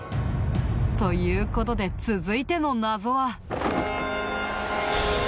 という事で続いての謎は。